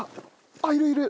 あっいるいる！